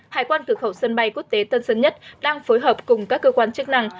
hải quan cửa khẩu sân bay quốc tế tân sơn nhất đang phối hợp cùng các cơ quan chức năng